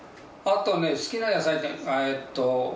あとね好きな野菜えっと